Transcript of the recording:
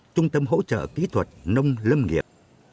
trung tâm hỗ trợ kỹ thuật nông lâm nghiệp